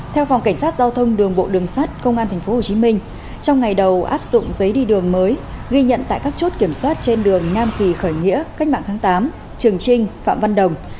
theo phòng cảnh sát giao thông đường bộ đường sát công an tp hcm trong ngày đầu áp dụng giấy đi đường mới ghi nhận tại các chốt kiểm soát trên đường nam kỳ khởi nghĩa cách mạng tháng tám trường trinh phạm văn đồng